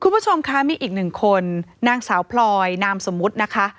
คุณผู้ชมคะมีอีกหนึ่งคนนางสาวพลอยนามสมมุตินะคะ